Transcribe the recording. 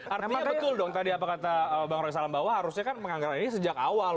artinya betul dong tadi apa kata bang roy salembawa harusnya kan penganggaran ini sejak awal